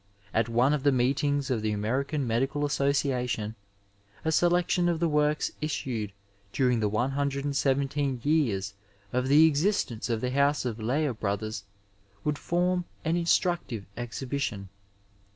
At one of the meetings of the American Medical Association a selectiGn of the works issued during the 117 years of the existence of the house of Lea Brothers would form an inslTuctive exhibition.